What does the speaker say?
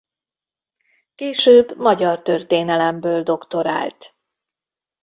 Később magyar történelemből doktorált.